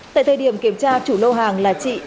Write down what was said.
tại thời điểm kiểm tra chủ lô hàng là chị